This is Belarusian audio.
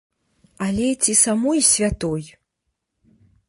Але ці самой святой?